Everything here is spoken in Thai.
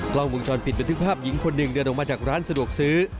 กล้องวงจรปิดบันทึกภาพหญิงคนหนึ่งเดินออกมาจากร้านสะดวกซื้อ